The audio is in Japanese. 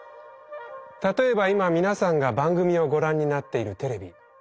例えば今皆さんが番組をご覧になっているテレビ。